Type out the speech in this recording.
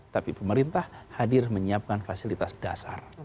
tapi pemerintah hadir menyiapkan fasilitas dasar